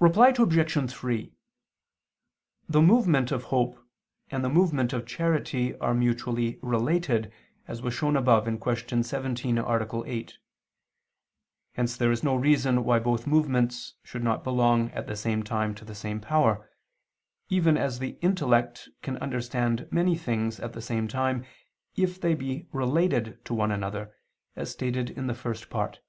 Reply Obj. 3: The movement of hope and the movement of charity are mutually related, as was shown above (Q. 17, A. 8). Hence there is no reason why both movements should not belong at the same time to the same power: even as the intellect can understand many things at the same time if they be related to one another, as stated in the First Part (Q.